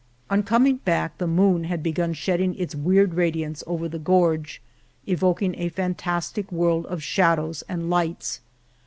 On coming back the moon had begun shedding its weird radiance over the gorge, evoking a fantastic world of shadows and lights.